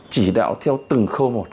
chỉ đạo theo từng khâu một